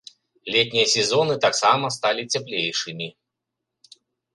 Летнія сезоны таксама сталі цяплейшымі.